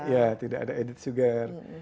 ya tidak ada edit sugar